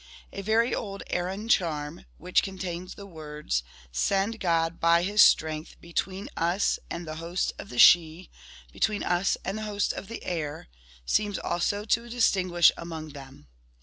A very old Arann charm, which contains the words ' Send God, by his strength, 7S between us and the host of the Sidhe, between us and the host of the air, ' seems also to dis tinguish among them.